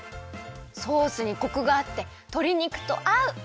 ソースにコクがあってとり肉とあう！